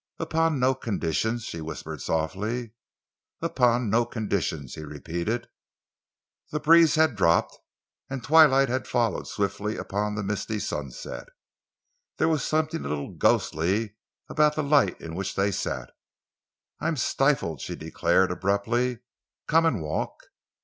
"Upon no conditions?" she whispered softly. "Upon no conditions," he repeated. The breeze had dropped, and twilight had followed swiftly upon the misty sunset. There was something a little ghostly about the light in which they sat. "I am stifled," she declared abruptly. "Come and walk."